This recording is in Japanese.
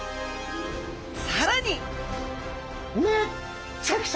さらに！